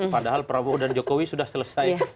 padahal prabowo dan jokowi sudah selesai